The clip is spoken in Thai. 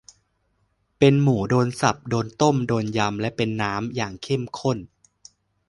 เป็นหมู โดนสับ โดนต้ม โดนยำ เละเป็นน้ำ อย่างเข้มข้น